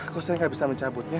kok saya gak bisa mencabutnya